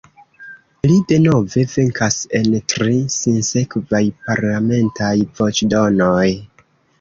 Li denove venkas en tri sinsekvaj parlamentaj voĉdonoj.